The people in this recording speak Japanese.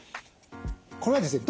これはですね